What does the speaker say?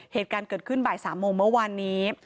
เหตุการณ์เกิดขึ้นบ่าย๓โมงเมื่อวานนี้